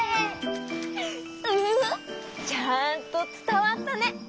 ウフフ！ちゃんとつたわったね！